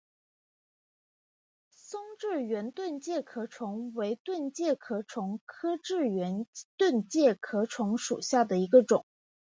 松栉圆盾介壳虫为盾介壳虫科栉圆盾介壳虫属下的一个种。